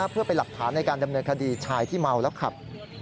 เพื่อเป็นหลักฐานในการดำเนินคดีชายที่เมาแล้วขับ